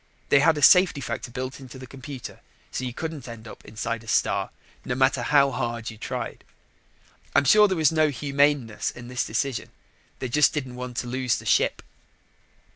They had a safety factor built into the computer so you couldn't end up inside a star no matter how hard you tried. I'm sure there was no humaneness in this decision. They just didn't want to lose the ship.